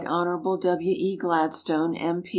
Hon. W. E. Gladstone, M.